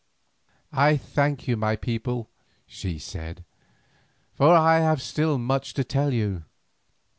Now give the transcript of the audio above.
"I thank you, my people," she said, "for I have still much to tell you.